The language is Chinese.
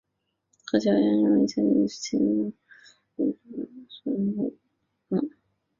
何乔远认为嘉靖前期出现的国家中兴是得益于内阁首辅张璁推行的改革。